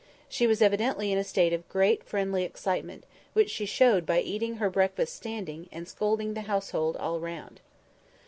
She was evidently in a state of great friendly excitement, which she showed by eating her breakfast standing, and scolding the household all round.